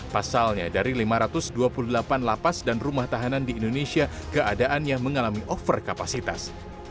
pasalnya dari lima ratus dua puluh delapan lapas dan rumah tahanan di indonesia keadaannya mengalami over kapasitas